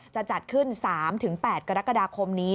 จะจัดขึ้น๓๘กรกฎาคมนี้